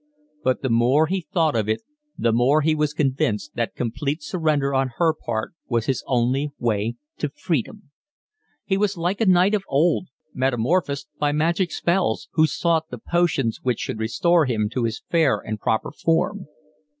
But the more he thought of it the more he was convinced that complete surrender on her part was his only way to freedom. He was like a knight of old, metamorphosed by magic spells, who sought the potions which should restore him to his fair and proper form.